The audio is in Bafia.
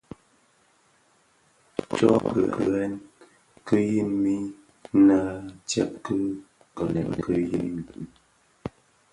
Tsoo kiňèn ki yin mi nnë tsèb ki kitöňèn ki yin mi.